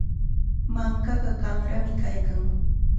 Mankaqa qanrami kaykan.